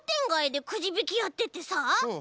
うん。